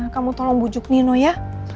kamu tolong bujuk nino ya